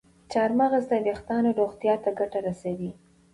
چارمغز د ویښتانو روغتیا ته ګټه رسوي.